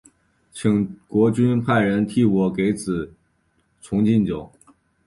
请国君派人替我给子重进酒。